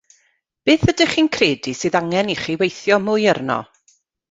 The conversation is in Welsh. Beth ydych chi'n credu sydd angen i chi weithio mwy arno?